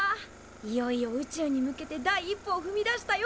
いよいよ宇宙に向けて第一歩をふみ出したよ